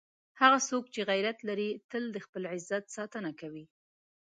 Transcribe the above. هغه څوک چې غیرت لري، تل د خپل عزت ساتنه کوي.